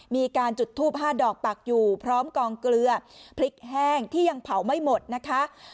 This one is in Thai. มีการจุดทูป๕ดอกปักอยู่พร้อมกองเกลือพริกแห้งที่ยังเผาไม่หมดนะคะ